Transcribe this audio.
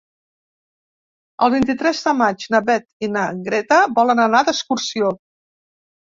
El vint-i-tres de maig na Beth i na Greta volen anar d'excursió.